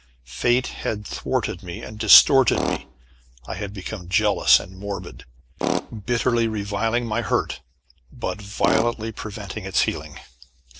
Fate had thwarted me, and distorted me. I had become jealous and morbid, bitterly reviling my hurt, but violently preventing its healing.